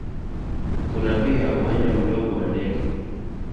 Kuna pia uwanja mdogo wa ndege.